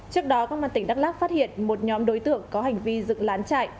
trước đó công an tỉnh đắk lắc phát hiện một nhóm đối tượng có hành vi dựng lán chạy